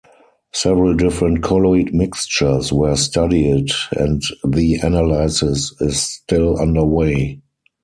Several different colloid mixtures were studied, and the analysis is still underway.